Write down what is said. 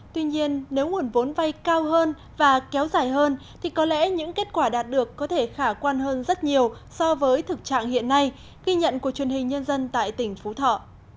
tuy nhiên nếu nguồn vốn vay cao hơn và kéo dài hơn thì có lẽ những kết quả đạt được có thể khả quan hơn rất nhiều so với thực trạng hiện nay ghi nhận của truyền hình nhân dân tại tỉnh phú thọ